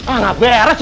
ah nggak beres su